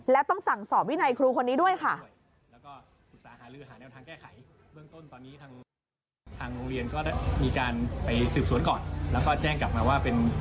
แล้วต้องสั่งสอบวินัยครูคนนี้ด้วยค่ะ